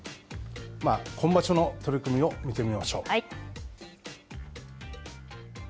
今場所の取組を見てみましょう。